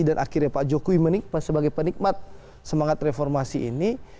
dan akhirnya pak jokowi sebagai penikmat semangat reformasi ini